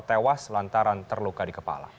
tewas lantaran terluka di kepala